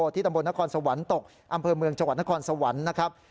ตำบลนครสวรรค์ตกอำเภอเมืองจังหวัดนครสวรรค์นะครับ